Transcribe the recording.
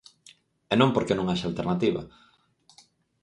E non porque non haxa alternativa.